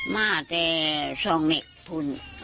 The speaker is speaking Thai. มาแต่สองเหล็กพุน